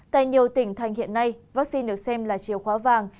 tại nhiều tỉnh thành hiện nay vaccine được xem là chìa khóa vàng